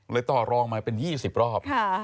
ต่อรองมาเป็น๒๐รอบ